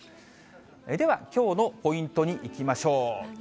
では、きょうのポイントにいきましょう。